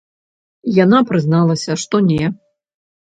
Яна прызналася, што не.